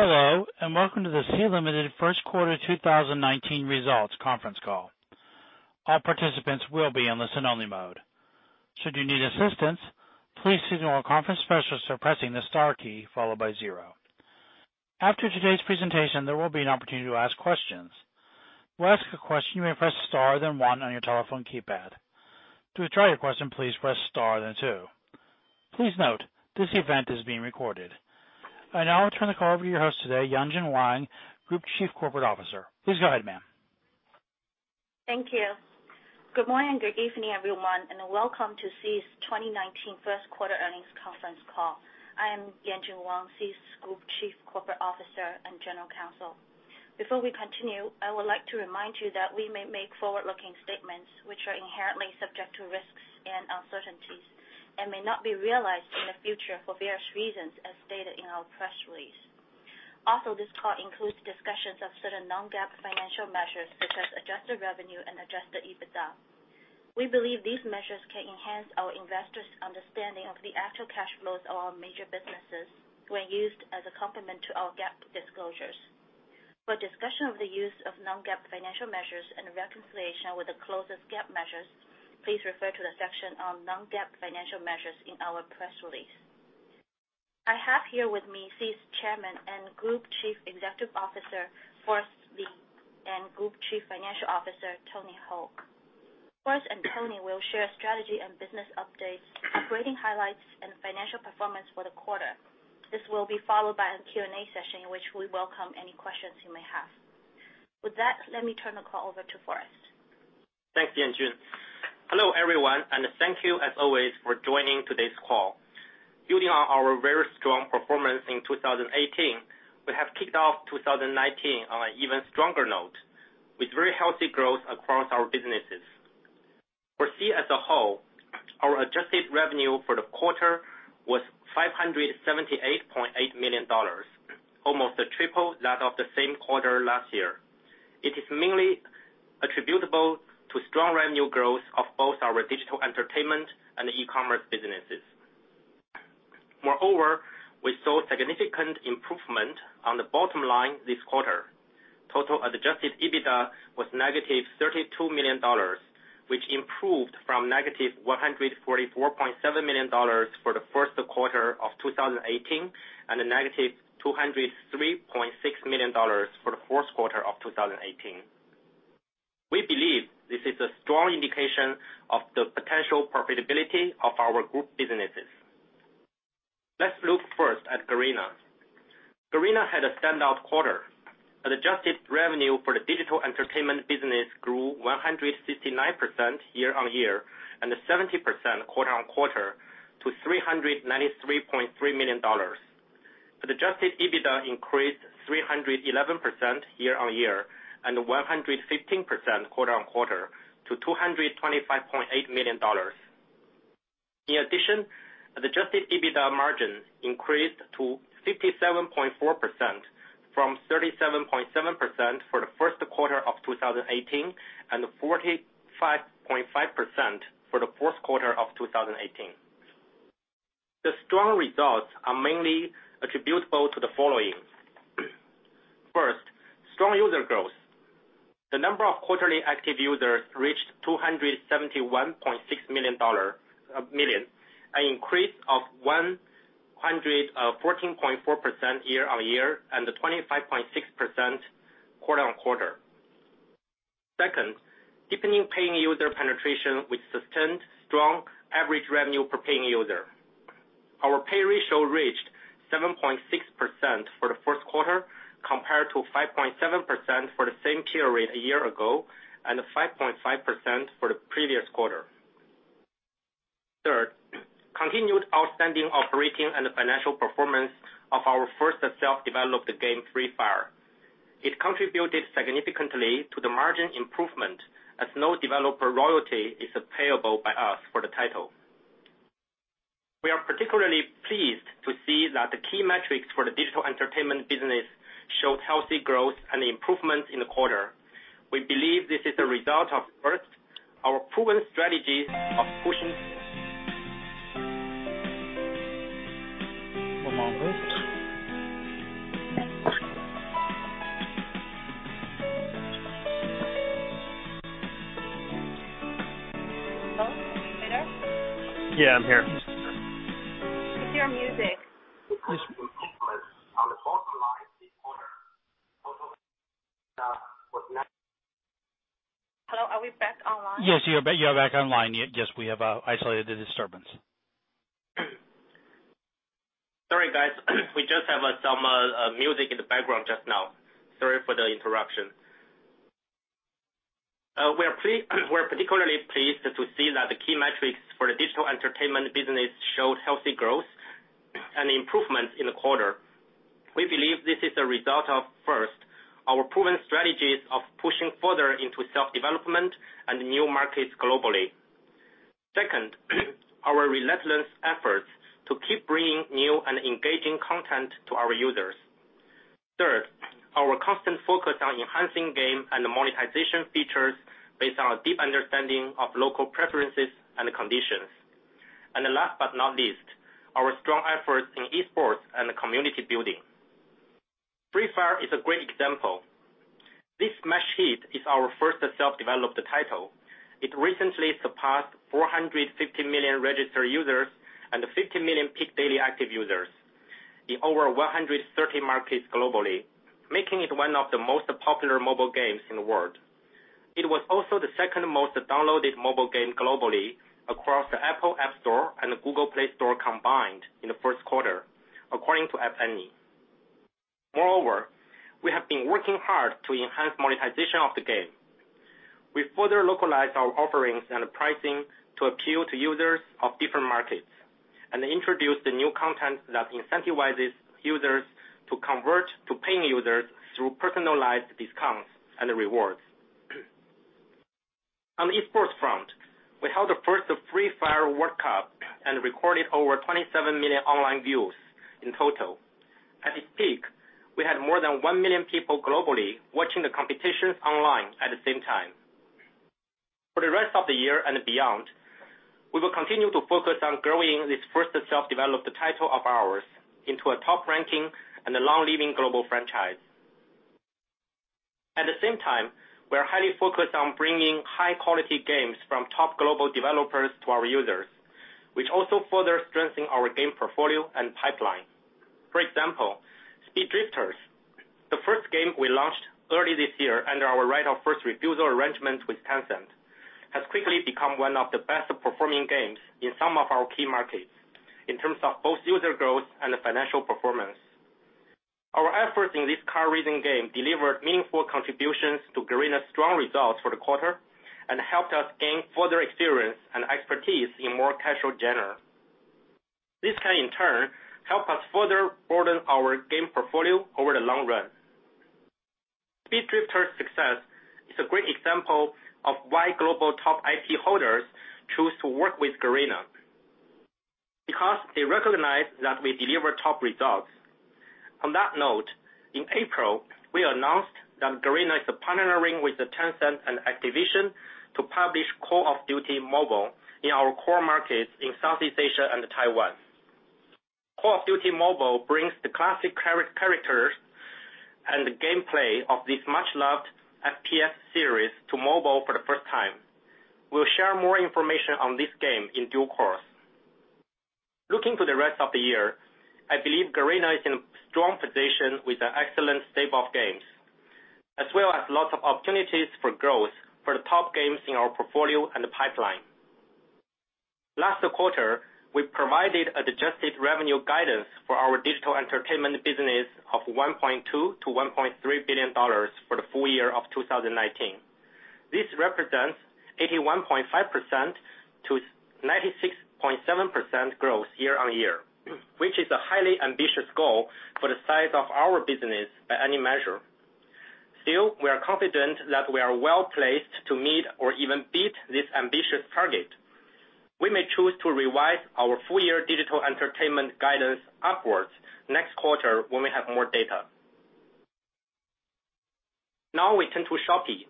Hello, welcome to the Sea Limited First Quarter 2019 Results Conference Call. All participants will be in listen only mode. Should you need assistance, please signal a conference specialist by pressing the star key followed by 0. After today's presentation, there will be an opportunity to ask questions. To ask a question, you may press star, then 1 on your telephone keypad. To withdraw your question, please press star, then 2. Please note, this event is being recorded. I now turn the call over to your host today, Yanjun Wang, Group Chief Corporate Officer. Please go ahead, ma'am. Thank you. Good morning. Good evening, everyone, welcome to Sea's 2019 first quarter earnings conference call. I am Yanjun Wang, Sea's Group Chief Corporate Officer and General Counsel. Before we continue, I would like to remind you that we may make forward-looking statements which are inherently subject to risks and uncertainties and may not be realized in the future for various reasons, as stated in our press release. Also, this call includes discussions of certain non-GAAP financial measures, such as adjusted revenue and adjusted EBITDA. We believe these measures can enhance our investors' understanding of the actual cash flows of our major businesses when used as a complement to our GAAP disclosures. For discussion of the use of non-GAAP financial measures and reconciliation with the closest GAAP measures, please refer to the section on non-GAAP financial measures in our press release. I have here with me Sea's Chairman and Group Chief Executive Officer, Forrest Li, and Group Chief Financial Officer, Tony Hou. Forrest and Tony will share strategy and business updates, operating highlights, and financial performance for the quarter. This will be followed by a Q&A session in which we welcome any questions you may have. Let me turn the call over to Forrest. Thanks, Yanjun. Hello, everyone, thank you as always for joining today's call. Building on our very strong performance in 2018, we have kicked off 2019 on an even stronger note with very healthy growth across our businesses. For Sea as a whole, our adjusted revenue for the quarter was $578.8 million, almost triple that of the same quarter last year. It is mainly attributable to strong revenue growth of both our digital entertainment and e-commerce businesses. Moreover, we saw significant improvement on the bottom line this quarter. Total adjusted EBITDA was negative $32 million, which improved from negative $144.7 million for the first quarter of 2018, and a negative $203.6 million for the fourth quarter of 2018. We believe this is a strong indication of the potential profitability of our group businesses. Let's look first at Garena. Garena had a standout quarter. Adjusted revenue for the digital entertainment business grew 159% year-over-year, and 70% quarter-over-quarter to $393.3 million. Adjusted EBITDA increased 311% year-over-year, and 115% quarter-over-quarter to $225.8 million. In addition, adjusted EBITDA margin increased to 57.4% from 37.7% for the first quarter of 2018, and 45.5% for the fourth quarter of 2018. The strong results are mainly attributable to the following. First, strong user growth. The number of quarterly active users reached 271.6 million, an increase of 114.4% year-over-year and 25.6% quarter-over-quarter. Second, deepening paying user penetration with sustained strong average revenue per paying user. Our pay ratio reached 7.6% for the first quarter, compared to 5.7% for the same period a year ago, and 5.5% for the previous quarter. Third, continued outstanding operating and financial performance of our first self-developed game, Free Fire. It contributed significantly to the margin improvement as no developer royalty is payable by us for the title. We are particularly pleased to see that the key metrics for the digital entertainment business showed healthy growth and improvement in the quarter. We believe this is a result of, first, our proven strategies of pushing. Hello, are you there? Yeah, I'm here. We hear music. On the bottom line this quarter. Hello, are we back online? Yes, you are back online. Yes, we have isolated the disturbance. Sorry, guys. We just have some music in the background just now. Sorry for the interruption. We're particularly pleased to see that the key metrics for the digital entertainment business showed healthy growth and improvement in the quarter. We believe this is a result of, first, our proven strategies of pushing further into self-development and new markets globally. Second, our relentless efforts to keep bringing new and engaging content to our users. Third, focus on enhancing game and monetization features based on a deep understanding of local preferences and conditions. Last but not least, our strong efforts in esports and community building. Free Fire is a great example. This smash hit is our first self-developed title. It recently surpassed 450 million registered users and 50 million peak daily active users in over 130 markets globally, making it one of the most popular mobile games in the world. It was also the second most downloaded mobile game globally across the Apple App Store and the Google Play Store combined in the first quarter, according to App Annie. Moreover, we have been working hard to enhance monetization of the game. We further localized our offerings and pricing to appeal to users of different markets and introduced the new content that incentivizes users to convert to paying users through personalized discounts and rewards. On the esports front, we held the first Free Fire World Cup and recorded over 27 million online views in total. At its peak, we had more than 1 million people globally watching the competitions online at the same time. For the rest of the year and beyond, we will continue to focus on growing this first self-developed title of ours into a top-ranking and a long-living global franchise. At the same time, we are highly focused on bringing high-quality games from top global developers to our users, which also further strengthen our game portfolio and pipeline. For example, Speed Drifters, the first game we launched early this year under our right of first refusal arrangement with Tencent, has quickly become one of the best-performing games in some of our key markets in terms of both user growth and financial performance. Our efforts in this car racing game delivered meaningful contributions to Garena's strong results for the quarter and helped us gain further experience and expertise in more casual genre. This can, in turn, help us further broaden our game portfolio over the long run. Speed Drifters' success is a great example of why global top IP holders choose to work with Garena, because they recognize that we deliver top results. On that note, in April, we announced that Garena is partnering with Tencent and Activision to publish Call of Duty: Mobile in our core markets in Southeast Asia and Taiwan. Call of Duty: Mobile brings the classic characters and the gameplay of this much-loved FPS series to mobile for the first time. We'll share more information on this game in due course. Looking to the rest of the year, I believe Garena is in a strong position with an excellent stable of games, as well as lots of opportunities for growth for the top games in our portfolio and pipeline. Last quarter, we provided adjusted revenue guidance for our digital entertainment business of $1.2 billion-$1.3 billion for the full year of 2019. This represents 81.5%-96.7% growth year-on-year, which is a highly ambitious goal for the size of our business by any measure. We are confident that we are well-placed to meet or even beat this ambitious target. We may choose to revise our full-year digital entertainment guidance upwards next quarter when we have more data. Now we turn to Shopee.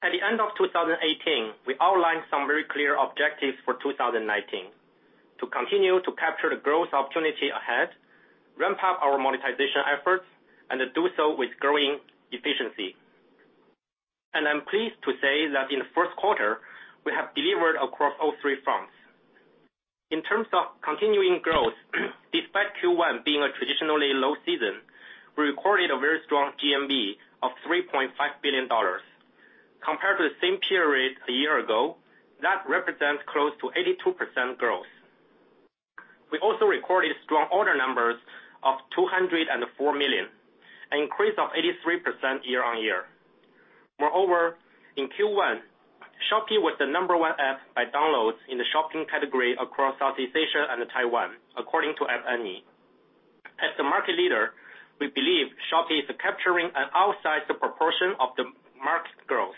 At the end of 2018, we outlined some very clear objectives for 2019. To continue to capture the growth opportunity ahead, ramp up our monetization efforts, and do so with growing efficiency. I'm pleased to say that in the first quarter, we have delivered across all three fronts. In terms of continuing growth, despite Q1 being a traditionally low season, we recorded a very strong GMV of $3.5 billion. Compared to the same period a year ago, that represents close to 82% growth. We also recorded strong order numbers of 204 million, an increase of 83% year-on-year. In Q1, Shopee was the number one app by downloads in the shopping category across Southeast Asia and Taiwan, according to App Annie. As the market leader, we believe Shopee is capturing an outsized proportion of the market growth.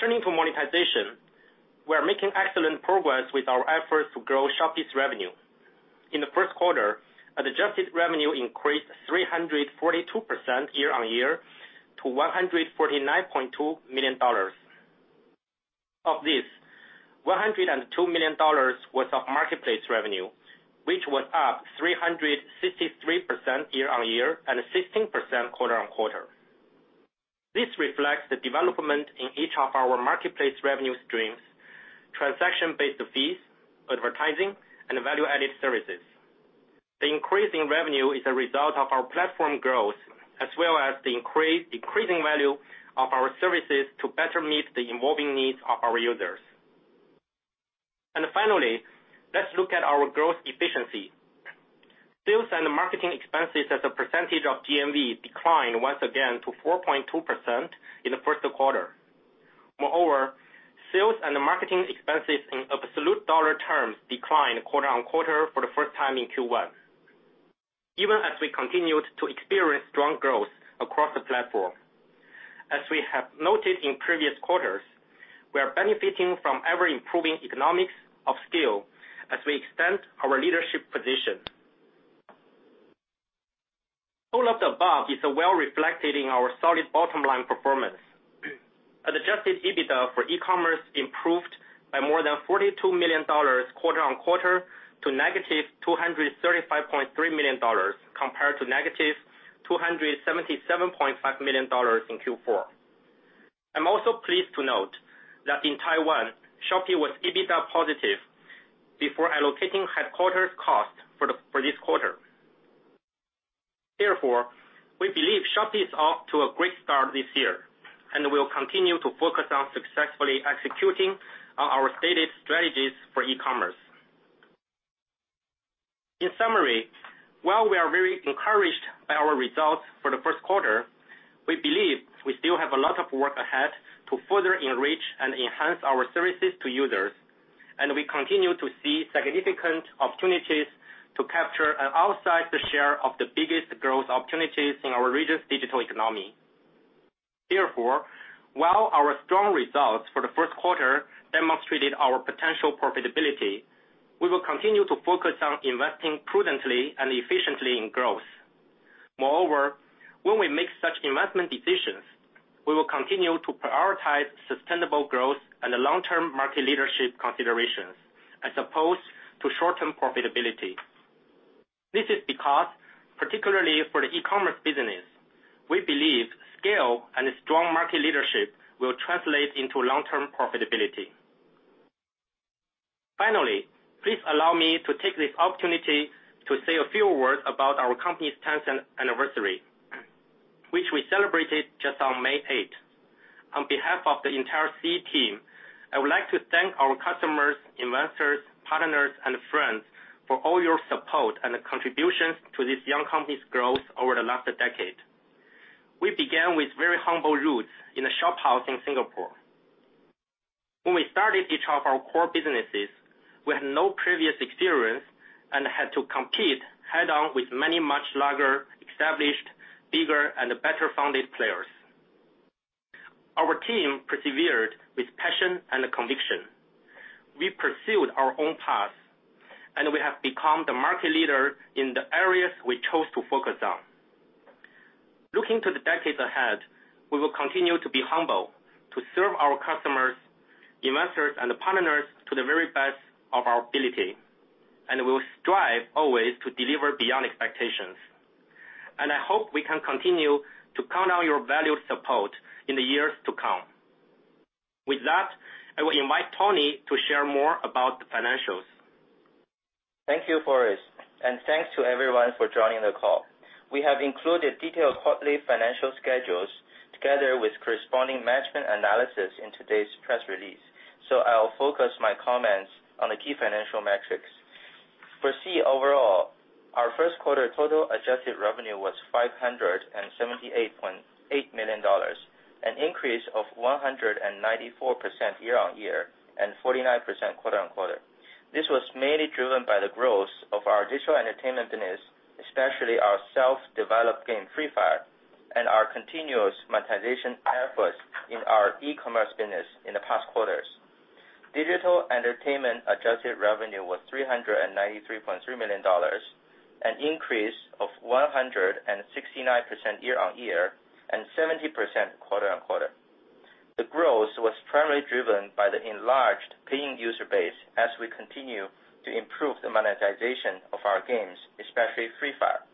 Turning to monetization, we are making excellent progress with our efforts to grow Shopee's revenue. In the first quarter, adjusted revenue increased 342% year-on-year to $149.2 million. Of this, $102 million was of marketplace revenue, which was up 363% year-on-year and 16% quarter-on-quarter. This reflects the development in each of our marketplace revenue streams, transaction-based fees, advertising, and value-added services. The increase in revenue is a result of our platform growth as well as the increasing value of our services to better meet the evolving needs of our users. Finally, let's look at our growth efficiency. Sales and marketing expenses as a percentage of GMV declined once again to 4.2% in the first quarter. Sales and marketing expenses in absolute dollar terms declined quarter-on-quarter for the first time in Q1, even as we continued to experience strong growth. Noted in previous quarters, we are benefiting from ever-improving economics of scale as we extend our leadership position. All of the above is well reflected in our solid bottom-line performance. Adjusted EBITDA for e-commerce improved by more than $42 million quarter-on-quarter to negative $235.3 million, compared to negative $277.5 million in Q4. I'm also pleased to note that in Taiwan, Shopee was EBITDA positive before allocating headquarters cost for this quarter. We believe Shopee is off to a great start this year, and will continue to focus on successfully executing our stated strategies for e-commerce. In summary, while we are very encouraged by our results for the first quarter, we believe we still have a lot of work ahead to further enrich and enhance our services to users. We continue to see significant opportunities to capture an outsized share of the biggest growth opportunities in our region's digital economy. While our strong results for the first quarter demonstrated our potential profitability, we will continue to focus on investing prudently and efficiently in growth. When we make such investment decisions, we will continue to prioritize sustainable growth and the long-term market leadership considerations as opposed to short-term profitability. This is because, particularly for the e-commerce business, we believe scale and strong market leadership will translate into long-term profitability. Please allow me to take this opportunity to say a few words about our company's 10th anniversary, which we celebrated just on May 8th. On behalf of the entire Sea team, I would like to thank our customers, investors, partners, friends for all your support and contributions to this young company's growth over the last decade. We began with very humble roots in a shophouse in Singapore. When we started each of our core businesses, we had no previous experience, had to compete head-on with many much larger, established, bigger, and better-funded players. Our team persevered with passion and conviction. We pursued our own path. We have become the market leader in the areas we chose to focus on. Looking to the decades ahead, we will continue to be humble, to serve our customers, investors, and partners to the very best of our ability. We will strive always to deliver beyond expectations. I hope we can continue to count on your valued support in the years to come. With that, I will invite Tony to share more about the financials. Thank you, Forrest. Thanks to everyone for joining the call. We have included detailed quarterly financial schedules together with corresponding management analysis in today's press release, so I'll focus my comments on the key financial metrics. For Sea overall, our first quarter total adjusted revenue was $578.8 million, an increase of 194% year-on-year and 49% quarter-on-quarter. This was mainly driven by the growth of our digital entertainment business, especially our self-developed game, Free Fire, and our continuous monetization efforts in our e-commerce business in the past quarters. Digital entertainment adjusted revenue was $393.3 million, an increase of 169% year-on-year and 70% quarter-on-quarter. The growth was primarily driven by the enlarged paying user base as we continue to improve the monetization of our games, especially Free Fire.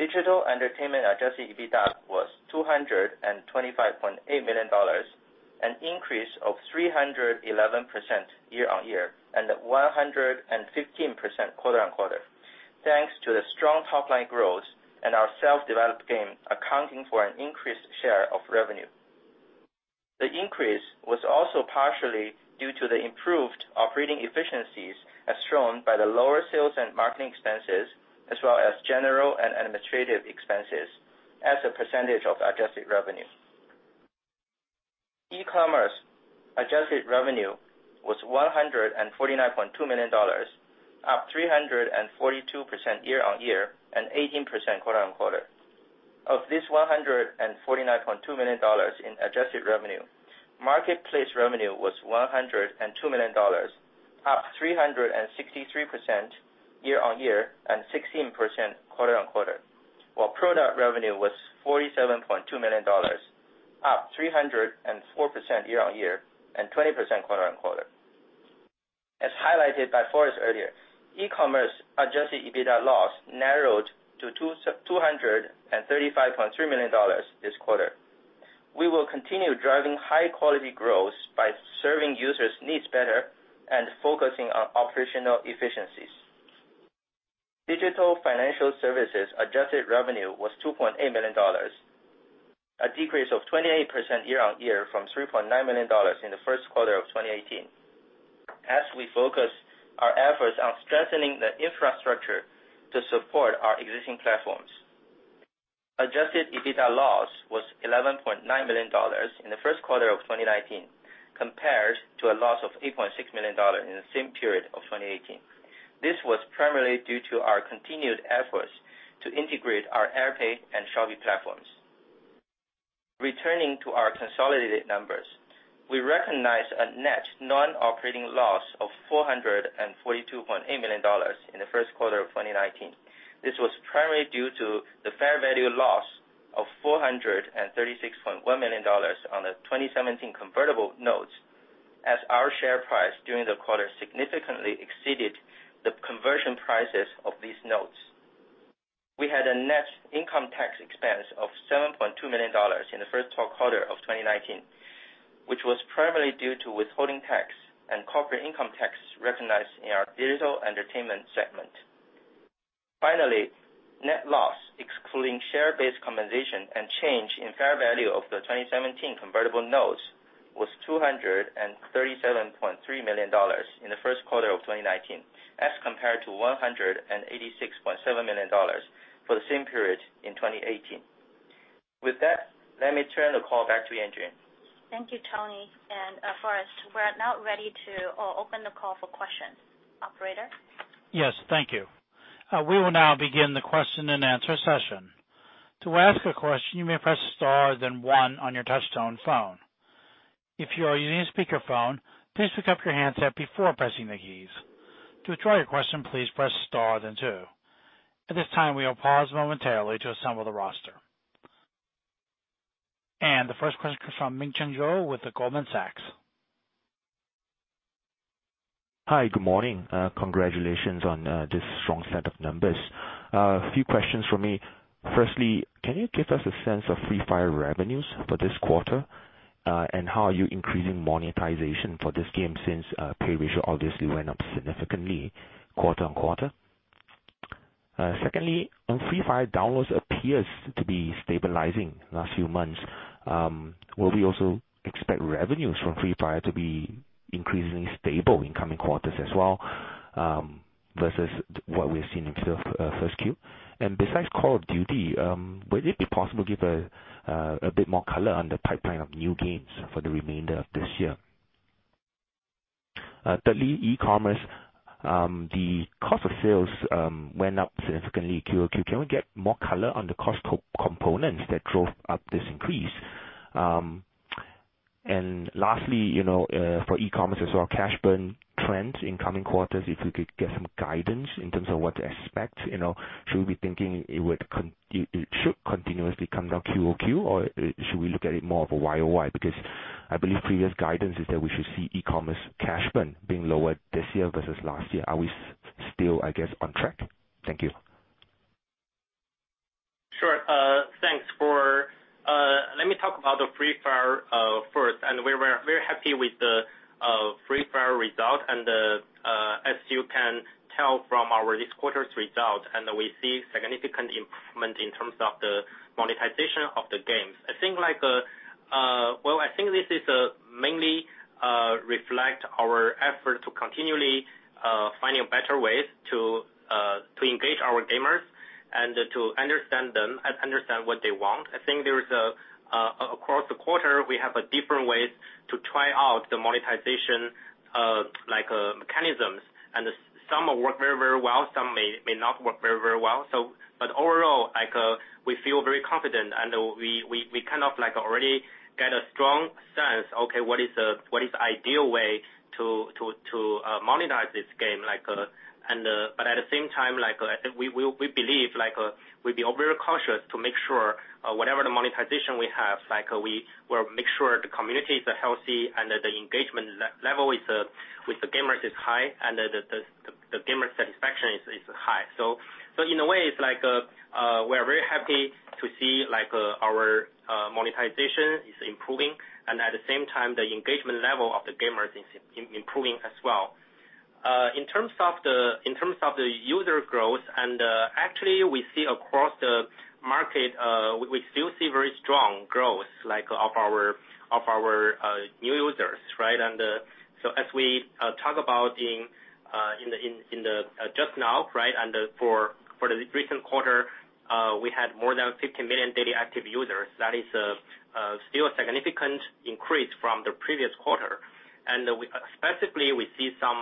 Digital entertainment adjusted EBITDA was $225.8 million, an increase of 311% year-on-year and 115% quarter-on-quarter, thanks to the strong top-line growth and our self-developed game accounting for an increased share of revenue. The increase was also partially due to the improved operating efficiencies, as shown by the lower sales and marketing expenses, as well as general and administrative expenses as a percentage of adjusted revenue. E-commerce adjusted revenue was $149.2 million, up 342% year-on-year and 18% quarter-on-quarter. Of this $149.2 million in adjusted revenue, marketplace revenue was $102 million, up 363% year-on-year and 16% quarter-on-quarter, while product revenue was $47.2 million, up 304% year-on-year and 20% quarter-on-quarter. As highlighted by Forrest earlier, e-commerce adjusted EBITDA loss narrowed to $235.3 million this quarter. We will continue driving high-quality growth by serving users' needs better and focusing on operational efficiencies. Digital financial services adjusted revenue was $2.8 million, a decrease of 28% year-on-year from $3.9 million in the first quarter of 2018, as we focus our efforts on strengthening the infrastructure to support our existing platforms. Adjusted EBITDA loss was $11.9 million in the first quarter of 2019. Compared to a loss of $8.6 million in the same period of 2018. This was primarily due to our continued efforts to integrate our AirPay and Shopee platforms. Returning to our consolidated numbers, we recognize a net non-operating loss of $442.8 million in the first quarter of 2019. This was primarily due to the fair value loss of $436.1 million on the 2017 convertible notes, as our share price during the quarter significantly exceeded the conversion prices of these notes. We had a net income tax expense of $7.2 million in the first quarter of 2019, which was primarily due to withholding tax and corporate income tax recognized in our digital entertainment segment. Finally, net loss excluding share-based compensation and change in fair value of the 2017 convertible notes was $237.3 million in the first quarter of 2019, as compared to $186.7 million for the same period in 2018. With that, let me turn the call back to Yanjun. Thank you, Tony and Forrest. We are now ready to open the call for questions. Operator? Yes, thank you. We will now begin the question and answer session. To ask a question, you may press star then one on your touchtone phone. If you are using a speakerphone, please pick up your handset before pressing the keys. To withdraw your question, please press star then two. At this time, we are paused momentarily to assemble the roster. The first question comes from Pang Vittayaamnuaykoon with the Goldman Sachs. Hi, good morning. Congratulations on this strong set of numbers. A few questions from me. Firstly, can you give us a sense of Free Fire revenues for this quarter? And how are you increasing monetization for this game since pay ratio obviously went up significantly quarter-on-quarter. Secondly, on Free Fire, downloads appears to be stabilizing last few months. Will we also expect revenues from Free Fire to be increasingly stable in coming quarters as well, versus what we've seen in the first Q? Besides Call of Duty, would it be possible to give a bit more color on the pipeline of new games for the remainder of this year? Thirdly, e-commerce, the cost of sales went up significantly Q-o-Q. Can we get more color on the cost components that drove up this increase? Lastly, for e-commerce as well, cash burn trends in coming quarters, if we could get some guidance in terms of what to expect. Should we be thinking it should continuously come down quarter-over-quarter, or should we look at it more of a year-over-year? Because I believe previous guidance is that we should see e-commerce cash burn being lower this year versus last year. Are we still, I guess, on track? Thank you. Sure. Let me talk about the Free Fire first. We're very happy with the Free Fire result, as you can tell from our this quarter's result, we see significant improvement in terms of the monetization of the games. I think this mainly reflect our effort to continually finding better ways to engage our gamers and to understand them and understand what they want. I think across the quarter, we have different ways to try out the monetization mechanisms. Some work very well, some may not work very well. Overall, we feel very confident, we kind of already get a strong sense, okay, what is the ideal way to monetize this game. At the same time, we believe we've been very cautious to make sure whatever the monetization we have, we will make sure the communities are healthy and that the engagement level with the gamers is high, and the gamer satisfaction is high. In a way, it's like we are very happy to see our monetization is improving, at the same time, the engagement level of the gamers is improving as well. In terms of the user growth, actually we see across the market, we still see very strong growth of our new users, right? As we talk about just now, right, for the recent quarter, we had more than 50 million daily active users. That is still a significant increase from the previous quarter. Specifically, we see some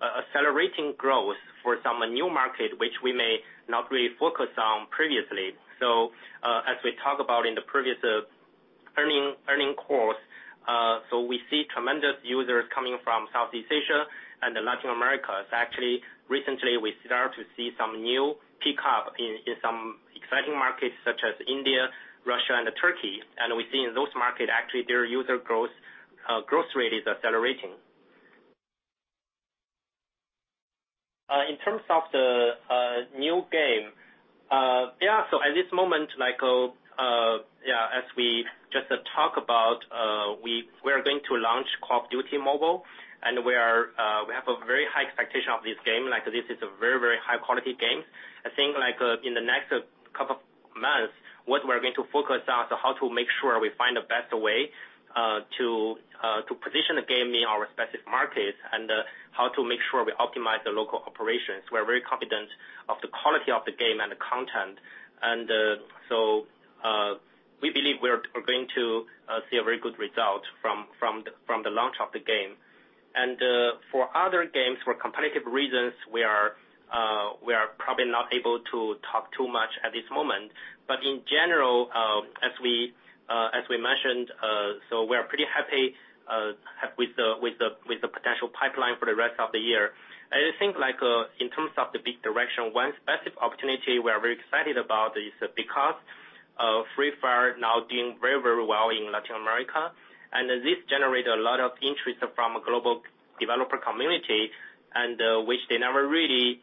accelerating growth for some new market, which we may not really focus on previously. As we talk about in the previous earning calls, we see tremendous users coming from Southeast Asia and Latin America. Actually, recently, we start to see some new pickup in some exciting markets such as India, Russia, and Turkey. We see in those markets, actually, their user growth rate is accelerating. In terms of the new game, at this moment as we just talk about, we are going to launch Call of Duty: Mobile, we have a very high expectation of this game. This is a very high-quality game. I think in the next couple months, what we're going to focus on is how to make sure we find the best way to position the game in our specific markets and how to make sure we optimize the local operations. We're very confident of the quality of the game and the content. We believe we're going to see a very good result from the launch of the game. For other games, for competitive reasons, we are probably not able to talk too much at this moment. In general, as we mentioned, we are pretty happy with the potential pipeline for the rest of the year. I think in terms of the big direction, one specific opportunity we are very excited about is because of Free Fire now doing very well in Latin America, and this generate a lot of interest from a global developer community, and which they never really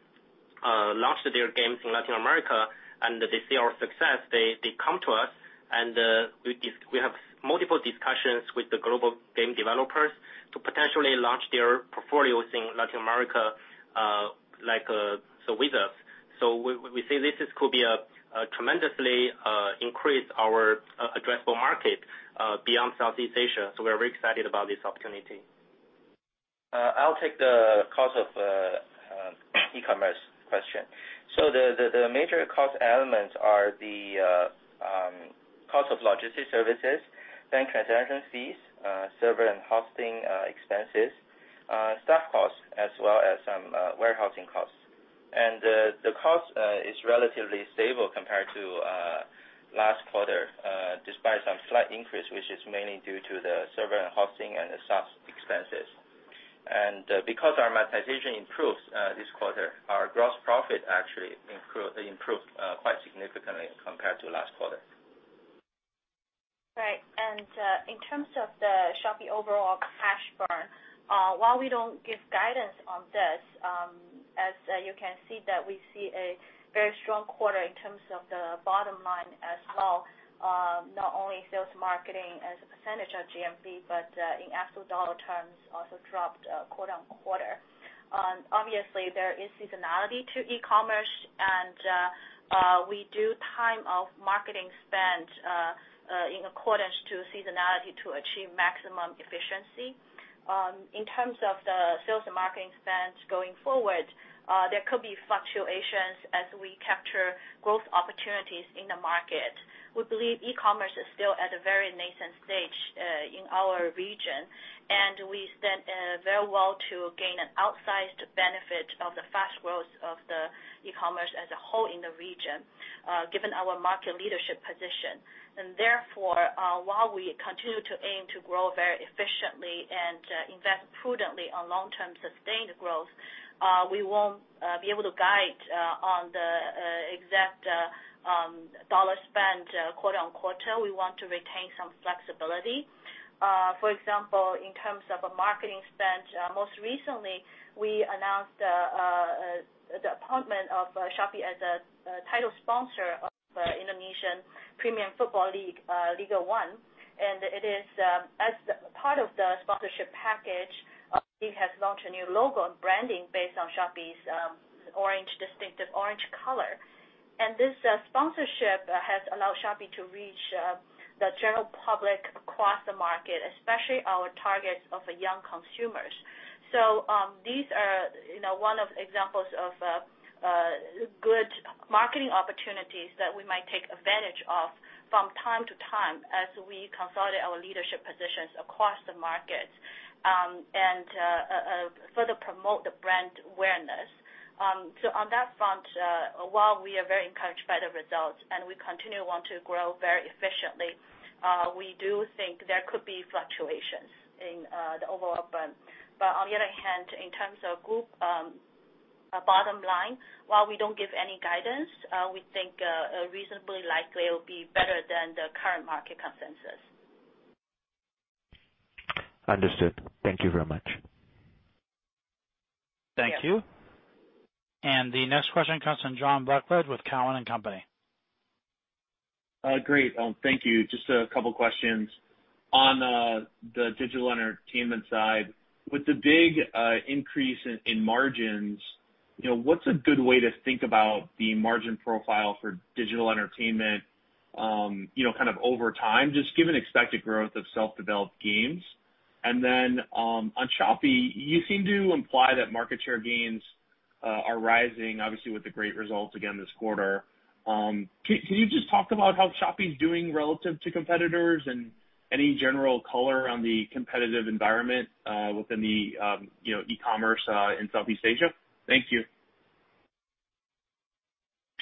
launched their games in Latin America, and they see our success. They come to us, and we have multiple discussions with the global game developers to potentially launch their portfolios in Latin America with us. We see this could be a tremendously increase our addressable market beyond Southeast Asia. We are very excited about this opportunity. I'll take the cost of ecommerce question. The major cost elements are the cost of logistics services, bank transaction fees, server and hosting expenses, staff costs, as well as some warehousing costs. The cost is relatively stable compared to last quarter, despite some slight increase, which is mainly due to the server and hosting and the staff's expenses. Because our monetization improved this quarter, our gross profit actually improved quite significantly compared to last quarter. Right. In terms of the Shopee overall cash burn, while we don't give guidance on this, as you can see that we see a very strong quarter in terms of the bottom line as well, not only sales marketing as a percentage of GMV, but in actual $ terms, also dropped quarter-on-quarter. Obviously, there is seasonality to ecommerce, and we do time off marketing spend in accordance to seasonality to achieve maximum efficiency. In terms of the sales and marketing spends going forward, there could be fluctuations as we capture growth opportunities in the market. We believe ecommerce is still at a very nascent stage in our region, and we stand very well to gain an outsized benefit of the fast growth of the ecommerce as a whole in the region, given our market leadership position. Therefore, while we continue to aim to grow very efficiently and invest prudently on long-term sustained growth, we won't be able to guide on the exact $ spend quarter-on-quarter. We want to retain some flexibility. For example, in terms of a marketing spend, most recently, we announced the appointment of Shopee as a title sponsor of Indonesian Premium Football League, Liga 1. As part of the sponsorship package, it has launched a new logo and branding based on Shopee's distinctive orange color. This sponsorship has allowed Shopee to reach the general public across the market, especially our targets of the young consumers. These are one of examples of good marketing opportunities that we might take advantage of from time to time as we consolidate our leadership positions across the market, and further promote the brand awareness. On that front, while we are very encouraged by the results and we continue want to grow very efficiently, we do think there could be fluctuations in the overall burn. On the other hand, in terms of group bottom line, while we don't give any guidance, we think reasonably likely it will be better than the current market consensus. Understood. Thank you very much. Thank you. The next question comes from John Blackledge with Cowen and Company. Great. Thank you. Just a couple of questions. On the digital entertainment side, with the big increase in margins, what's a good way to think about the margin profile for digital entertainment kind of over time, just given expected growth of self-developed games? Then on Shopee, you seem to imply that market share gains are rising, obviously, with the great results again this quarter. Can you just talk about how Shopee is doing relative to competitors and any general color on the competitive environment within the e-commerce in Southeast Asia? Thank you.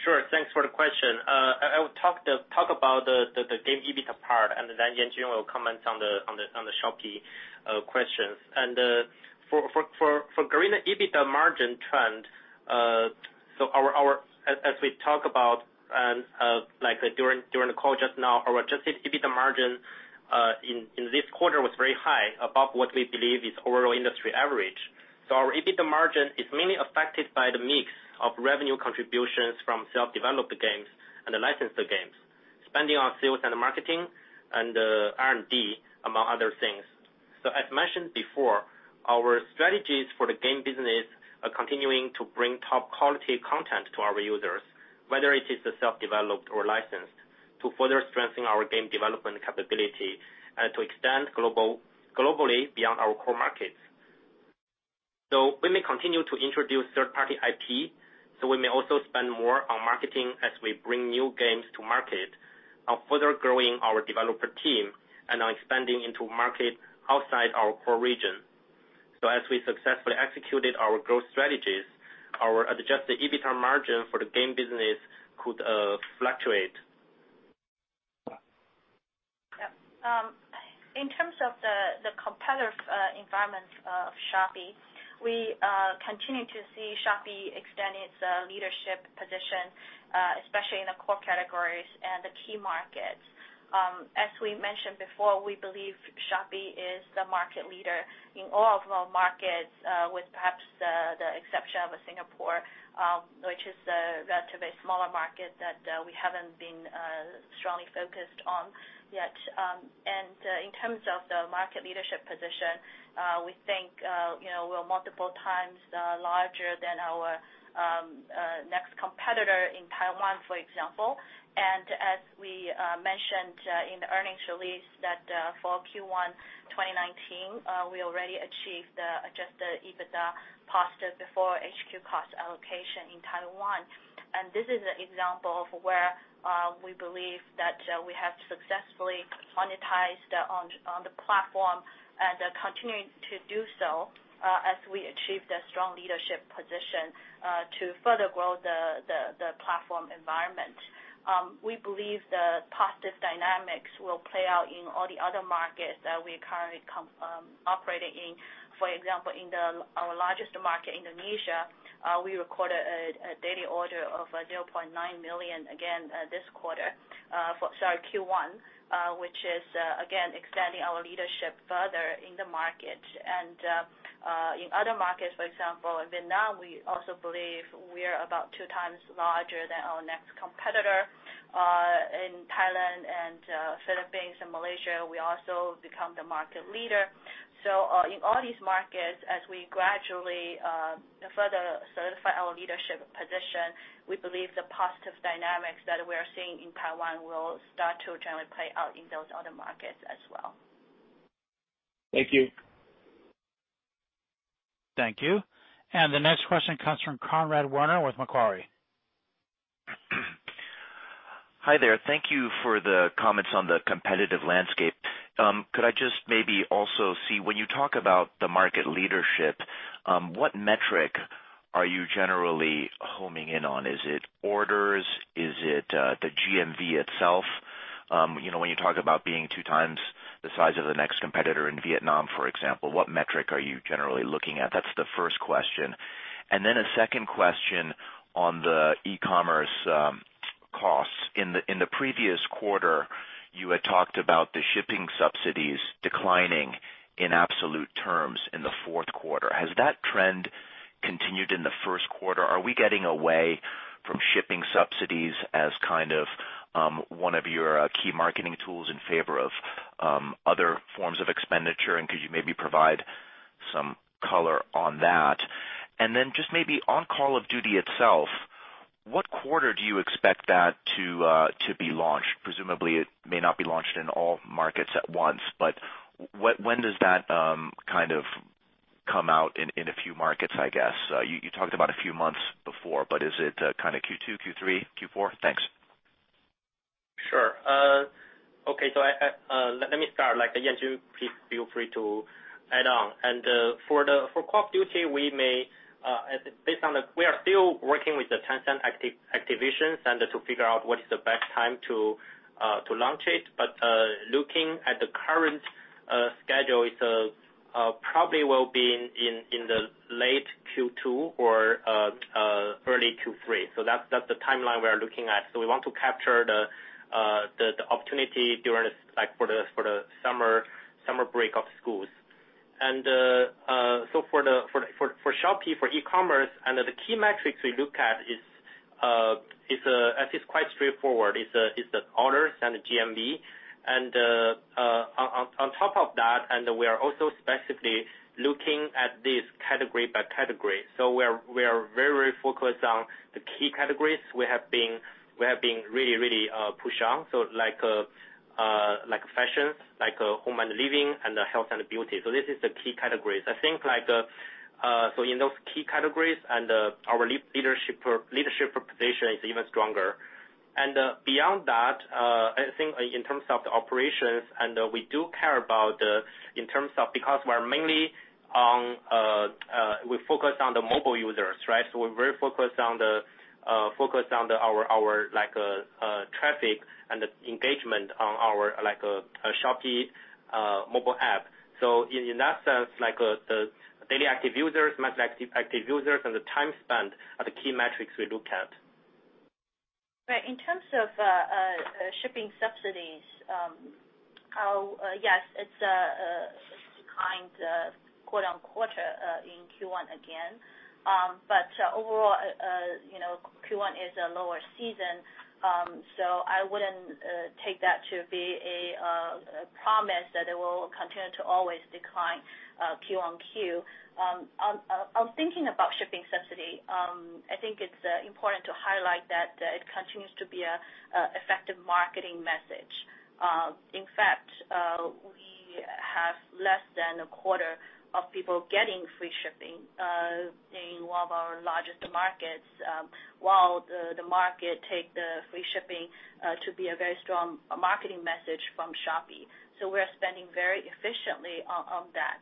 Sure. Thanks for the question. I will talk about the game EBITDA part, then Yanjun Wang will comment on the Shopee questions. For Garena EBITDA margin trend, as we talk about during the call just now, our adjusted EBITDA margin in this quarter was very high, above what we believe is overall industry average. Our EBITDA margin is mainly affected by the mix of revenue contributions from self-developed games and the licensed games, spending on sales and marketing and R&D, among other things. As mentioned before, our strategies for the game business are continuing to bring top quality content to our users, whether it is self-developed or licensed, to further strengthen our game development capability and to extend globally beyond our core markets. We may continue to introduce third-party IP, we may also spend more on marketing as we bring new games to market, are further growing our developer team, and are expanding into market outside our core region. As we successfully executed our growth strategies, our adjusted EBITDA margin for the game business could fluctuate. Yeah. In terms of the competitive environment of Shopee, we continue to see Shopee extend its leadership position, especially in the core categories and the key markets. As we mentioned before, we believe Shopee is the market leader in all of our markets, with perhaps the exception of Singapore, which is a relatively smaller market that we haven't been strongly focused on yet. In terms of the market leadership position, we think we're multiple times larger than our next competitor in Taiwan, for example. As we mentioned in the earnings release that for Q1 2019, we already achieved the adjusted EBITDA positive before HQ cost allocation in Taiwan. This is an example of where we believe that we have successfully monetized on the platform and are continuing to do so as we achieve the strong leadership position to further grow the platform environment. We believe the positive dynamics will play out in all the other markets that we currently operating in. For example, in our largest market, Indonesia, we recorded a daily order of 0.9 million again this quarter, sorry, Q1, which is again extending our leadership further in the market. In other markets, for example, in Vietnam, we also believe we are about two times larger than our next competitor. In Thailand and Philippines and Malaysia, we also become the market leader. In all these markets, as we gradually further solidify our leadership position, we believe the positive dynamics that we are seeing in Taiwan will start to generally play out in those other markets as well. Thank you. Thank you. The next question comes from Conrad Werner with Macquarie. Hi there. Thank you for the comments on the competitive landscape. Could I just maybe also see, when you talk about the market leadership, what metric are you generally homing in on? Is it orders? Is it the GMV itself? When you talk about being two times the size of the next competitor in Vietnam, for example, what metric are you generally looking at? That's the first question. A second question on the e-commerce costs. In the previous quarter, you had talked about the shipping subsidies declining in absolute terms in the fourth quarter. Has that trend continued in the first quarter? Are we getting away from shipping subsidies as one of your key marketing tools in favor of other forms of expenditure? Could you maybe provide some color on that? Just maybe on Call of Duty itself, what quarter do you expect that to be launched? Presumably, it may not be launched in all markets at once, but when does that come out in a few markets, I guess? You talked about a few months before, but is it Q2, Q3, Q4? Thanks. Sure. Okay. Let me start. Yan, you please feel free to add on. For Call of Duty, we are still working with Tencent Activision to figure out what is the best time to launch it. Looking at the current schedule, it probably will be in the late Q2 or early Q3. That's the timeline we are looking at. We want to capture the opportunity for the summer break of schools. For Shopee, for e-commerce, the key metrics we look at is quite straightforward, is the orders and the GMV. On top of that, we are also specifically looking at this category by category. We are very focused on the key categories we have been really pushed on. Like fashion, like home and living, and health and beauty. This is the key categories. I think in those key categories our leadership position is even stronger. Beyond that, I think in terms of the operations, we do care about because we're mainly focused on the mobile users, right? We're very focused on our traffic and the engagement on our Shopee mobile app. In that sense, the daily active users, monthly active users, and the time spent are the key metrics we look at. Right. In terms of shipping subsidies, yes, it's declined quarter-on-quarter in Q1 again. Overall, Q1 is a lower season, so I wouldn't take that to be a promise that it will continue to always decline Q-on-Q. On thinking about shipping subsidy, I think it's important to highlight that it continues to be an effective marketing message. In fact, we have less than a quarter of people getting free shipping in one of our largest markets, while the market take the free shipping to be a very strong marketing message from Shopee. We're spending very efficiently on that.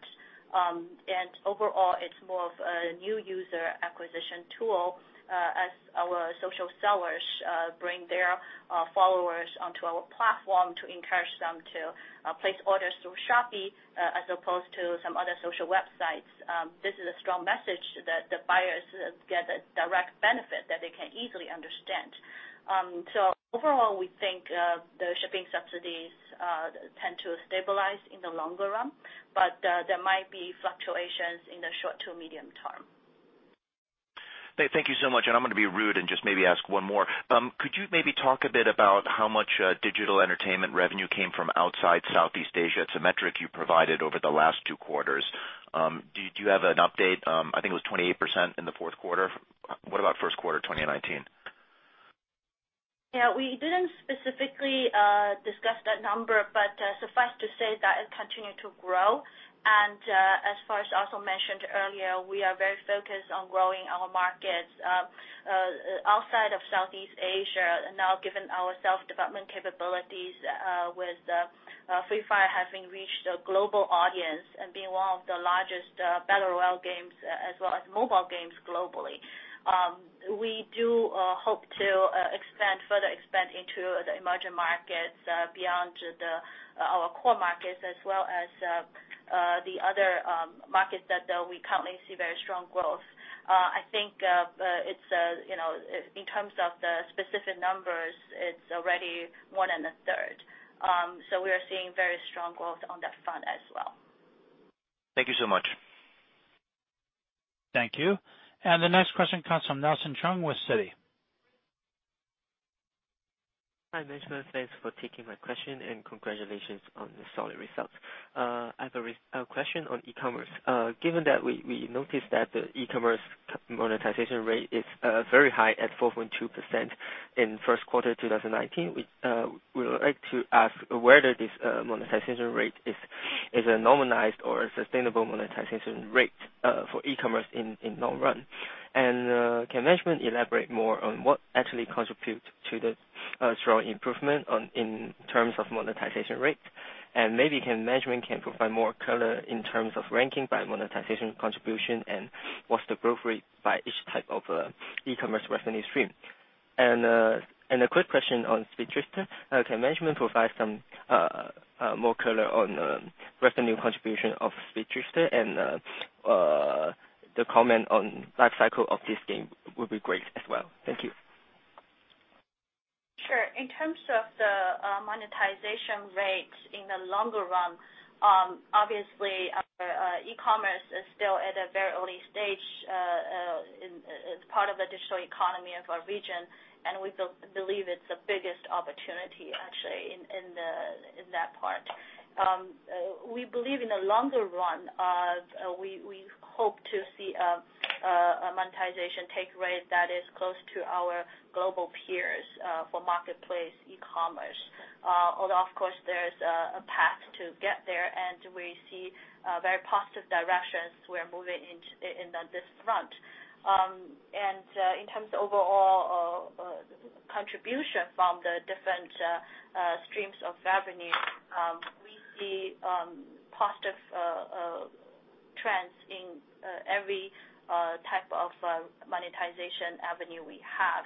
Overall, it's more of a new user acquisition tool as our social sellers bring their followers onto our platform to encourage them to place orders through Shopee as opposed to some other social websites. This is a strong message that the buyers get a direct benefit that they can easily understand. Overall, we think the shipping subsidies tend to stabilize in the longer run, but there might be fluctuations in the short to medium term. Thank you so much. I'm going to be rude and just maybe ask one more. Could you maybe talk a bit about how much digital entertainment revenue came from outside Southeast Asia? It's a metric you provided over the last two quarters. Do you have an update? I think it was 28% in the fourth quarter. What about first quarter 2019? We didn't specifically discuss that number, but suffice to say that it continued to grow. As Forrest also mentioned earlier, we are very focused on growing our markets outside of Southeast Asia now, given our self-development capabilities with Free Fire having reached a global audience and being one of the largest battle royale games as well as mobile games globally. We do hope to further expand into the emerging markets beyond our core markets, as well as the other markets that we currently see very strong growth. I think in terms of the specific numbers, it's already one and a third. We are seeing very strong growth on that front as well. Thank you so much. Thank you. The next question comes from Nelson Cheung with Citi. Hi, management. Thanks for taking my question, and congratulations on the solid results. I have a question on e-commerce. Given that we noticed that the e-commerce monetization rate is very high at 4.2% in first quarter 2019, we would like to ask whether this monetization rate is a normalized or a sustainable monetization rate for e-commerce in long run. Can management elaborate more on what actually contributes to the strong improvement in terms of monetization rate? Maybe management can provide more color in terms of ranking by monetization contribution and what's the growth rate by each type of e-commerce revenue stream. A quick question on Speed Drifter. Can management provide some more color on revenue contribution of Speed Drifter and the comment on life cycle of this game would be great as well. Thank you. Sure. In terms of the monetization rates in the longer run, obviously, our e-commerce is still at a very early stage as part of the digital economy of our region, and we believe it's the biggest opportunity, actually, in that part. We believe in the longer run, we hope to see a monetization take rate that is close to our global peers for marketplace e-commerce. Although, of course, there is a path to get there, and we see very positive directions we are moving in on this front. In terms of overall contribution from the different streams of revenue, we see positive trends in every type of monetization avenue we have.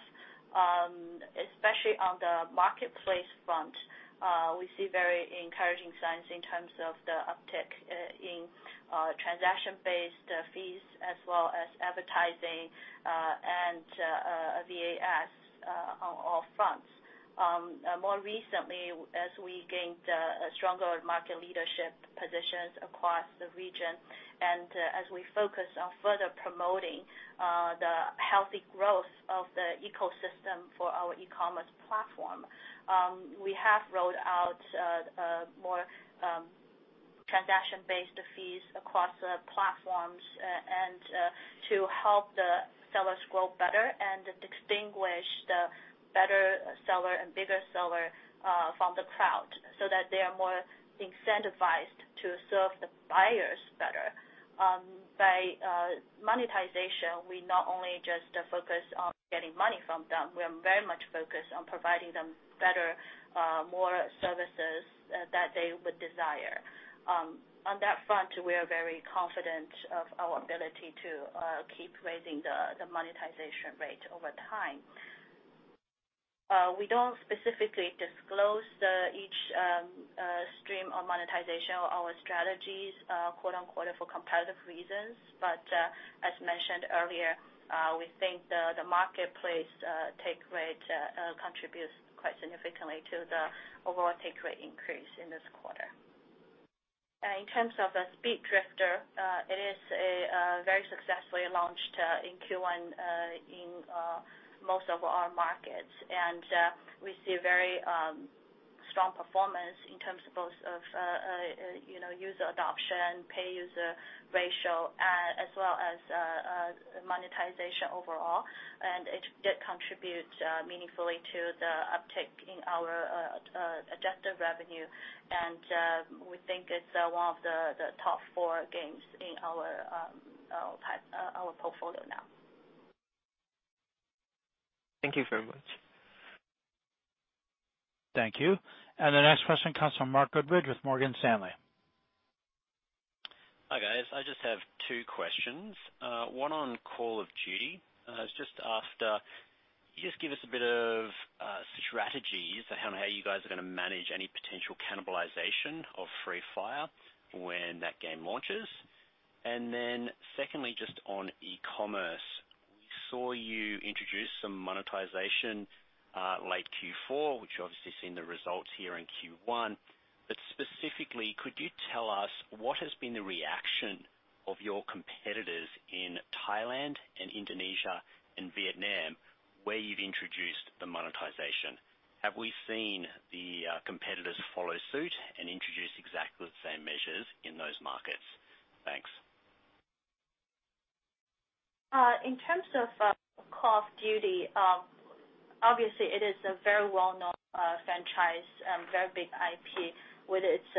Especially on the marketplace front, we see very encouraging signs in terms of the uptick in transaction-based fees as well as advertising and VAS on all fronts. More recently, as we gained stronger market leadership positions across the region, as we focus on further promoting the healthy growth of the ecosystem for our e-commerce platform, we have rolled out more transaction-based fees across the platforms to help the sellers grow better and distinguish the better seller and bigger seller from the crowd so that they are more incentivized to serve the buyers better. By monetization, we not only just focus on getting money from them, we are very much focused on providing them better, more services that they would desire. On that front, we are very confident of our ability to keep raising the monetization rate over time. We don't specifically disclose each stream of monetization or our strategies, quote unquote, for competitive reasons. As mentioned earlier, we think the marketplace take rate contributes quite significantly to the overall take rate increase in this quarter. In terms of Speed Drifter, it is very successfully launched in Q1 in most of our markets. We see very strong performance in terms of both of user adoption, pay user ratio, as well as monetization overall. It did contribute meaningfully to the uptick in our adjusted revenue, and we think it's one of the top four games in our portfolio now. Thank you very much. Thank you. The next question comes from Mark Goodbridge with Morgan Stanley. Hi, guys. I just have two questions. One on Call of Duty. I was just after, can you just give us a bit of strategies on how you guys are going to manage any potential cannibalization of Free Fire when that game launches? Secondly, just on e-commerce, we saw you introduce some monetization late Q4, which obviously seen the results here in Q1. Specifically, could you tell us what has been the reaction of your competitors in Thailand and Indonesia and Vietnam, where you've introduced the monetization? Have we seen the competitors follow suit and introduce exactly the same measures in those markets? Thanks. In terms of Call of Duty, obviously it is a very well-known franchise and very big IP with its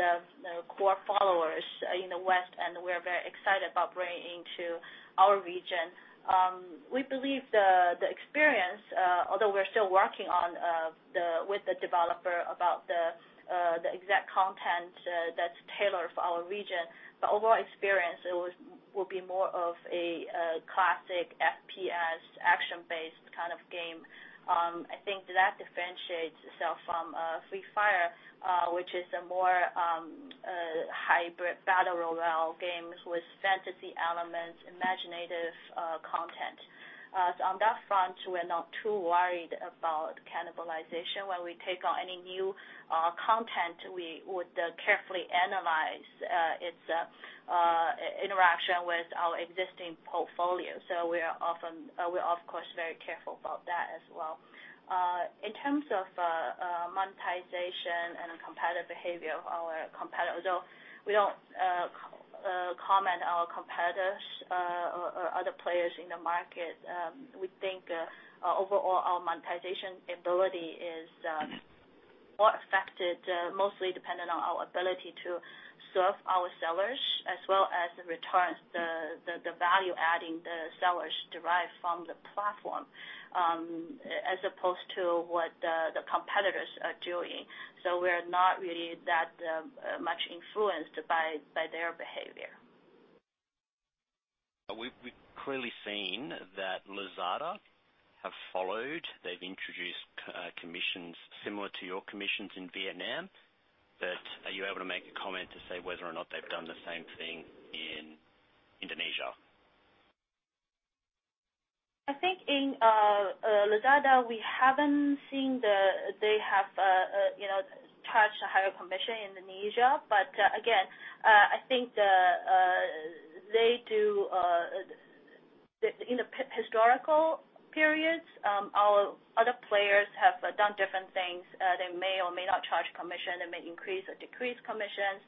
core followers in the West, and we are very excited about bringing into our region. We believe the experience, although we're still working with the developer about the exact content that's tailored for our region, the overall experience will be more of a classic FPS action-based kind of game. I think that differentiates itself from Free Fire, which is a more hybrid battle royale game with fantasy elements, imaginative content. On that front, we're not too worried about cannibalization. When we take on any new content, we would carefully analyze its interaction with our existing portfolio. We are, of course, very careful about that as well. In terms of monetization and competitive behavior of our competitor, although we don't comment our competitors or other players in the market, we think overall our monetization ability is more affected, mostly dependent on our ability to serve our sellers as well as the returns, the value adding the sellers derive from the platform, as opposed to what the competitors are doing. We are not really that much influenced by their behavior. We've clearly seen that Lazada have followed. They've introduced commissions similar to your commissions in Vietnam, are you able to make a comment to say whether or not they've done the same thing in Indonesia? I think in Lazada, we haven't seen they have charged a higher commission in Indonesia. Again, I think in the historical periods, our other players have done different things. They may or may not charge commission, they may increase or decrease commissions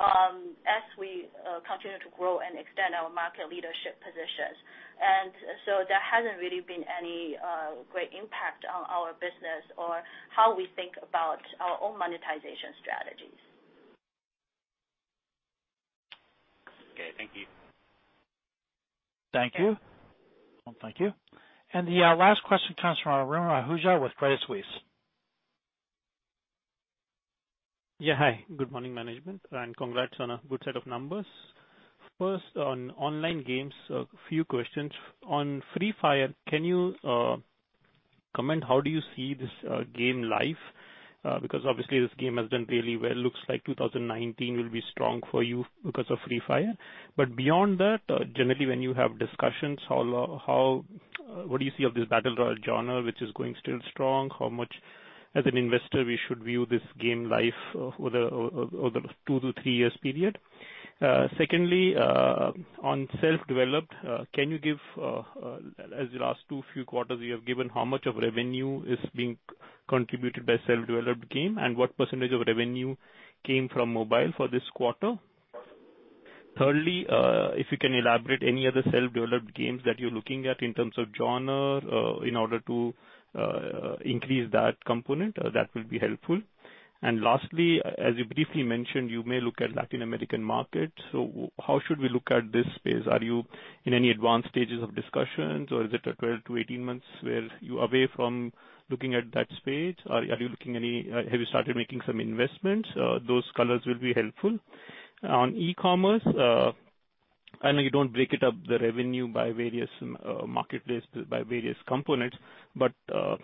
as we continue to grow and extend our market leadership positions. There hasn't really been any great impact on our business or how we think about our own monetization strategies. Okay, thank you. Thank you. The last question comes from Varun Ahuja with Credit Suisse. Yeah, hi. Good morning, management, and congrats on a good set of numbers. First, on online games, a few questions. On Free Fire, can you comment, how do you see this game life? Obviously this game has done really well. It looks like 2019 will be strong for you because of Free Fire. Beyond that, generally when you have discussions, what do you see of this battle royale genre, which is going still strong? How much, as an investor, we should view this game life over the two to three years period. Secondly, on self-developed, as the last two few quarters you have given, how much of revenue is being contributed by self-developed game, and what % of revenue came from mobile for this quarter? Thirdly, if you can elaborate any other self-developed games that you're looking at in terms of genre in order to increase that component, that will be helpful. Lastly, as you briefly mentioned, you may look at Latin American market. How should we look at this space? Are you in any advanced stages of discussions, or is it a 12 to 18 months where you away from looking at that space? Have you started making some investments? Those colors will be helpful. On e-commerce, I know you don't break it up the revenue by various marketplace, by various components, but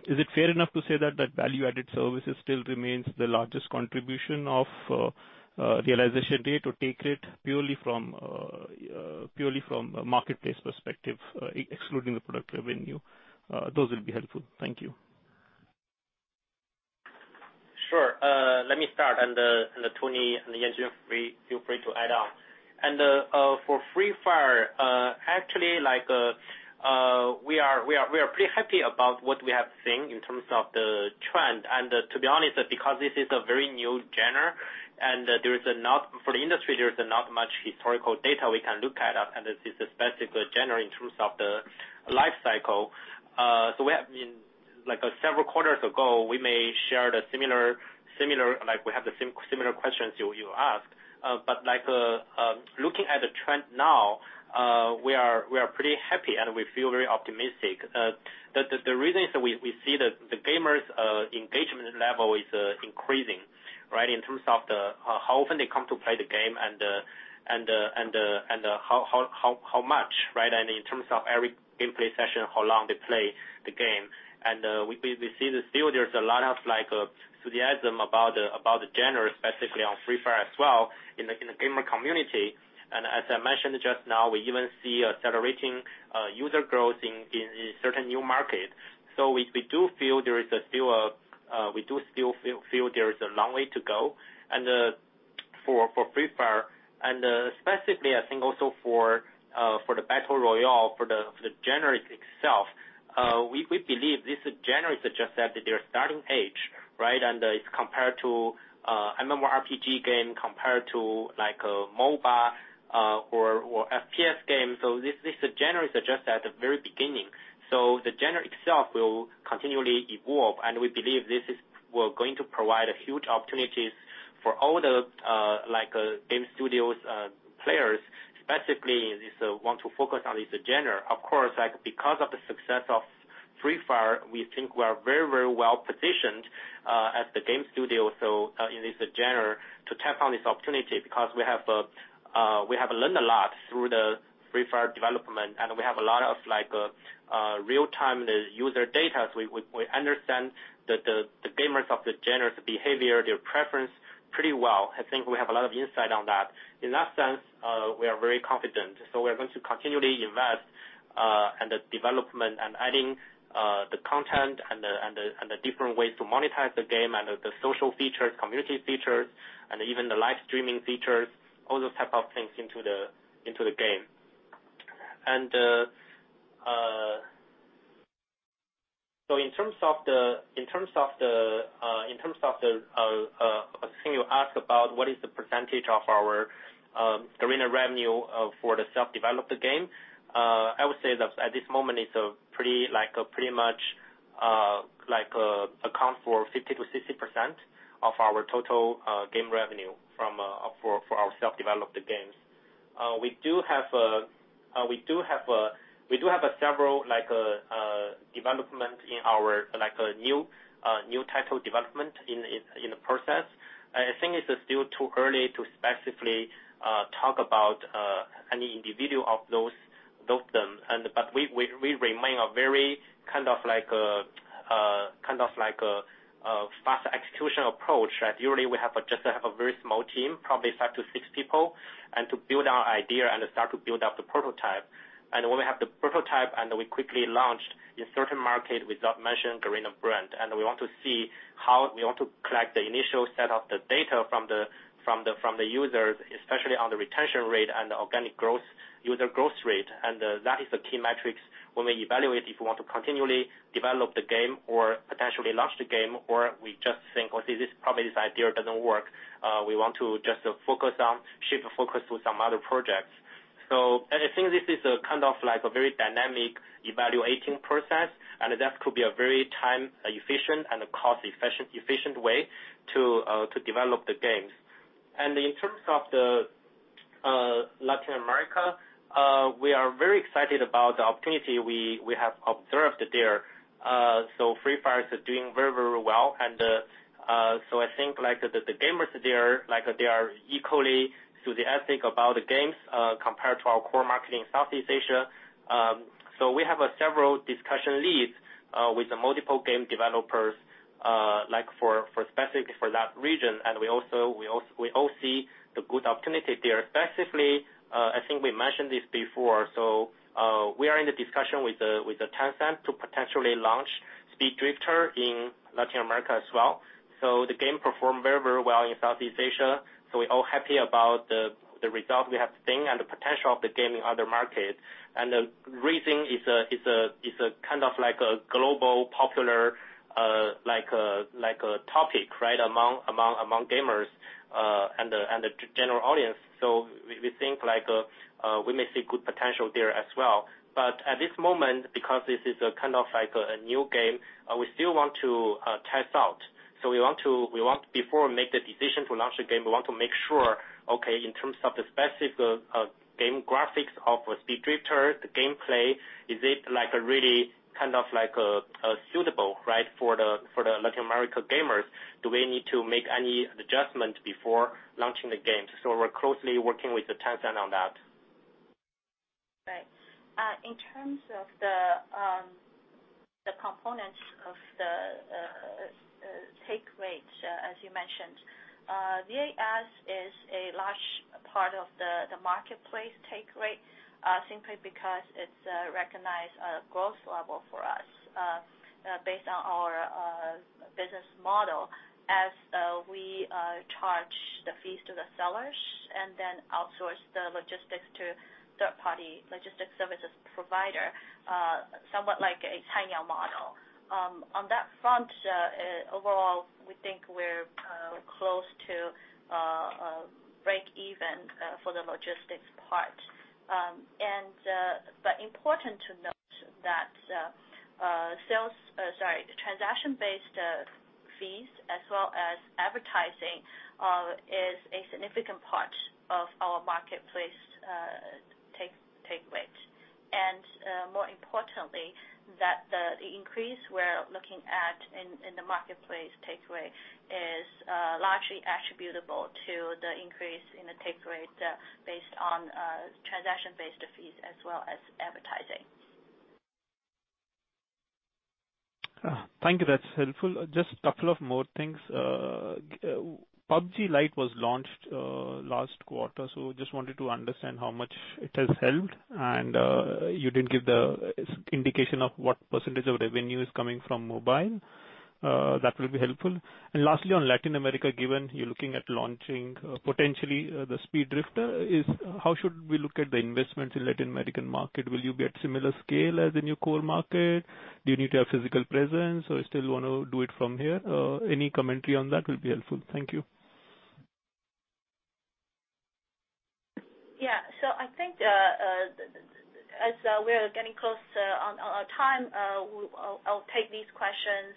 is it fair enough to say that value-added services still remains the largest contribution of realization day to take it purely from a marketplace perspective, excluding the product revenue? Those will be helpful. Thank you. Sure. Let me start, and Tony and Yanjun Wang, feel free to add on. For Free Fire, actually We are pretty happy about what we have seen in terms of the trend. To be honest, because this is a very new genre, and for the industry, there is not much historical data we can look at, and this is specifically genre in terms of the life cycle. Several quarters ago, we may have the similar questions you ask. Looking at the trend now, we are pretty happy and we feel very optimistic. The reason is that we see the gamers' engagement level is increasing, right? In terms of how often they come to play the game and how much, right? In terms of every gameplay session, how long they play the game. We see that still there's a lot of enthusiasm about the genre, specifically on Free Fire as well in the gamer community. As I mentioned just now, we even see accelerating user growth in certain new markets. We do still feel there is a long way to go for Free Fire and specifically, I think also for the battle royale, for the genre itself. We believe this genre is just at their starting age, right? It's compared to MMORPG game compared to MOBA or FPS games. This genre is just at the very beginning. The genre itself will continually evolve, and we believe this is going to provide huge opportunities for all the game studios players, specifically these want to focus on this genre. Of course, because of the success of Free Fire, we think we are very well-positioned as the game studio, so in this genre, to tap on this opportunity because we have learned a lot through the Free Fire development, and we have a lot of real-time user data. We understand the gamers of the genre, their behavior, their preference pretty well. I think we have a lot of insight on that. In that sense, we are very confident. We are going to continually invest in the development and adding the content and the different ways to monetize the game and the social features, community features, and even the live streaming features, all those type of things into the game. In terms of the thing you ask about, what is the percentage of our Garena revenue for the self-developed game, I would say that at this moment it pretty much accounts for 50%-60% of our total game revenue for our self-developed games. We do have several developments in our new title development in the process. I think it is still too early to specifically talk about any individual of those them. We remain a very fast execution approach, right? Usually, we just have a very small team, probably five to six people, and to build our idea and start to build out the prototype. When we have the prototype and we quickly launched in certain markets without mentioning Garena brand. We want to collect the initial set of the data from the users, especially on the retention rate and the organic user growth rate. That is the key metrics when we evaluate if we want to continually develop the game or potentially launch the game, or we just think, "Okay, this idea doesn't work." We want to just shift the focus to some other projects. I think this is a very dynamic evaluating process, and that could be a very time-efficient and a cost-efficient way to develop the games. In terms of Latin America, we are very excited about the opportunity we have observed there. Free Fire is doing very well. I think the gamers there are equally enthusiastic about the games compared to our core market in Southeast Asia. We have several discussion leads with multiple game developers specifically for that region. We all see the good opportunity there. Specifically, I think we mentioned this before, we are in the discussion with Tencent to potentially launch Speed Drifters in Latin America as well. The game performed very well in Southeast Asia, so we're all happy about the result we have seen and the potential of the game in other markets. The reason is it's a kind of global popular topic, right, among gamers and the general audience. We think we may see good potential there as well. At this moment, because this is a new game, we still want to test out. Before we make the decision to launch a game, we want to make sure, okay, in terms of the specific game graphics of Speed Drifters, the gameplay, is it really suitable, right, for the Latin American gamers? Do we need to make any adjustments before launching the game? We're closely working with Tencent on that. Right. In terms of the components of the take rates, as you mentioned, VAS is a large part of the marketplace take rate simply because it's a recognized growth level for us based on our business model. We charge the fees to the sellers and then outsource the logistics to third-party logistics services provider, somewhat like a Tmall model. On that front, overall, we think we're close to breakeven for the logistics part. Important to note that transaction-based fees as well as advertising is a significant part of our marketplace take rate. More importantly, that the increase we're looking at in the marketplace take rate is largely attributable to the increase in the take rate based on transaction-based fees as well as advertising. Thank you. That's helpful. Just a couple of more things. PUBG Lite was launched last quarter, just wanted to understand how much it has helped. You didn't give the indication of what percentage of revenue is coming from mobile. That will be helpful. Lastly, on Latin America, given you're looking at launching potentially the Speed Drifters, how should we look at the investment in Latin American market? Will you get similar scale as in your core market? Do you need to have physical presence, or you still want to do it from here? Any commentary on that will be helpful. Thank you. I think as we are getting close on our time, I'll take these questions,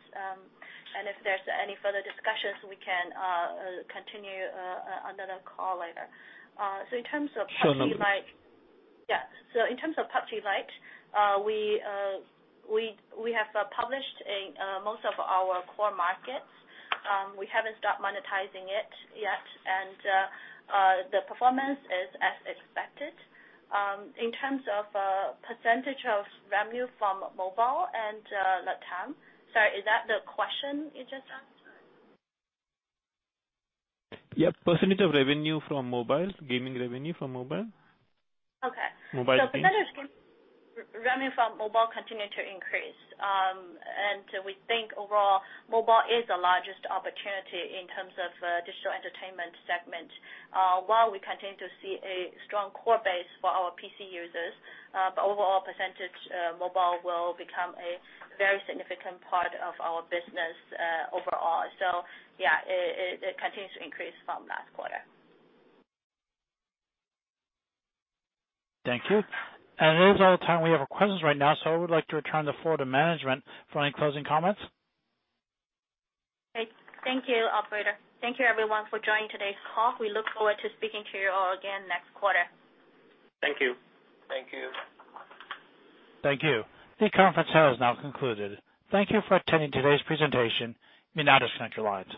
if there's any further discussions, we can continue another call later. In terms of PUBG Lite, we have published in most of our core markets. We haven't stopped monetizing it yet, the performance is as expected. In terms of percentage of revenue from mobile and LatAm, sorry, is that the question you just asked? Yep. Percentage of revenue from mobile, gaming revenue from mobile. Okay. Mobile gaming. Revenue from mobile continued to increase. We think overall, mobile is the largest opportunity in terms of digital entertainment segment. While we continue to see a strong core base for our PC users, overall percentage, mobile will become a very significant part of our business overall. Yeah, it continues to increase from last quarter. Thank you. That is all the time we have for questions right now, I would like to return the floor to management for any closing comments. Okay. Thank you, operator. Thank you everyone for joining today's call. We look forward to speaking to you all again next quarter. Thank you. Thank you. Thank you. The conference call has now concluded. Thank you for attending today's presentation. You may now disconnect your lines.